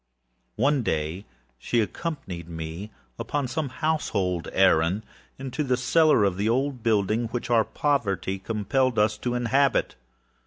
One day she accompanied me, upon some household errand, into the cellar of the old building which our poverty compelled us to inhabit.